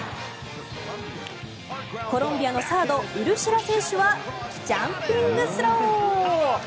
コロンビアのサードウルシェラ選手はジャンピングスロー！